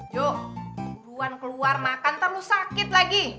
juk duluan keluar makan ntar lo sakit lagi